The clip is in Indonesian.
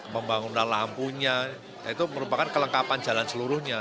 pembangunan lampunya itu merupakan kelengkapan jalan seluruhnya